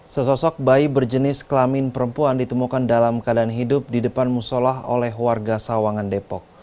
sesosok bayi berjenis kelamin perempuan ditemukan dalam keadaan hidup di depan musolah oleh warga sawangan depok